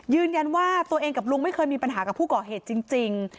ยืนยันว่าตัวเองกับลุงไม่เคยมีปัญหากับผู้ก่อเหตุจริง